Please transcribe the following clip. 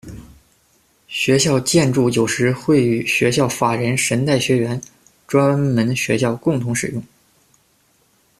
学校建筑有时会与学校法人神代学园・専门学校共同使用。